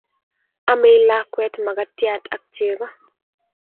amei lakwet makatiat ak chego